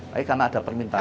tapi karena ada permintaan